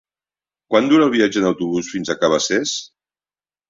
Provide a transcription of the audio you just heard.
Quant dura el viatge en autobús fins a Cabacés?